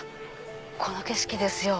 この景色ですよ。